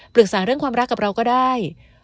เรื่องความรักกับเราก็ได้